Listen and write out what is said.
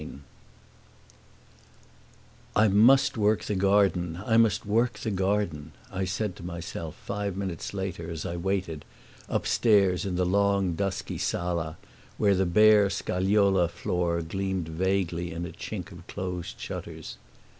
II "I must work the garden I must work the garden," I said to myself, five minutes later, as I waited, upstairs, in the long, dusky sala, where the bare scagliola floor gleamed vaguely in a chink of the closed shutters.